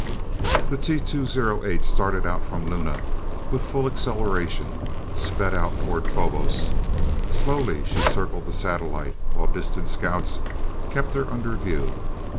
The T 208 started out from Luna, and with full acceleration, sped out toward Phobos. Slowly she circled the satellite, while distant scouts kept her under view.